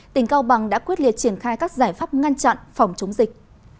tỉnh cao bằng đã quyết liệt triển khai các giải pháp ngăn chặn phòng chống dịch